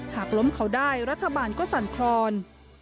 หากล้มเขาได้รัฐบาลก็สั่นครอน